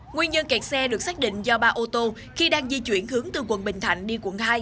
nguyên nhân kẹt xe được xác định do ba ô tô khi đang di chuyển hướng từ quận bình thạnh đi quận hai